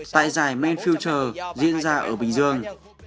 tại giải man future diễn ra ở bình dương